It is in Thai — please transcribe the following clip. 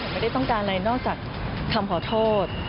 ไม่ได้ต้องการอะไรนอกจากคำขอโทษ